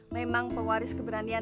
memang pewaris keberanian